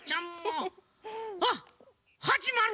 あっはじまる！